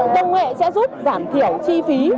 công nghệ sẽ giúp giảm thiểu chi phí